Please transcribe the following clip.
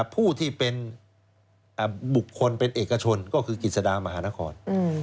ผู้ที่เป็นบุคคลเป็นเอกชนก็คือกิจสดามหานคร